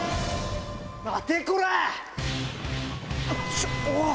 ちょおっ！